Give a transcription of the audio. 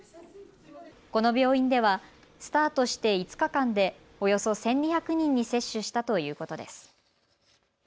この病院ではスタートして５日間でおよそ１２００人に接種したということです。